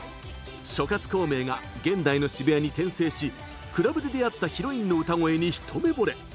諸葛孔明が現代の渋谷に転生しクラブで出会ったヒロインの歌声に一目ぼれ。